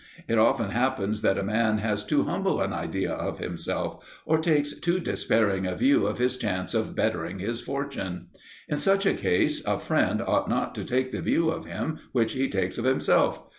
It often happens that a man has too humble an idea of himself, or takes too despairing a view of his chance of bettering his fortune. In such a case a friend ought not to take the view of him which he takes of himself.